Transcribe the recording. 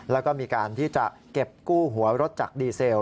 แล้วก็มีการที่จะเก็บกู้หัวรถจากดีเซล